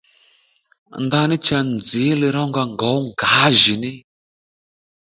Ndaní cha nzǐ lirónga ngǒw ngǎjìní